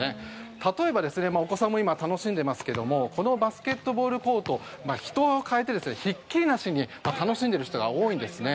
例えば、お子さんも今、楽しんでいますけれどもこのバスケットボールコートひっきりなしに楽しんでいる人が多いんですね。